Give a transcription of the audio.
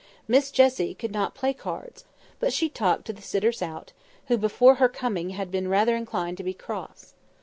Miss Jessie could not play cards: but she talked to the sitters out, who, before her coming, had been rather inclined to be cross.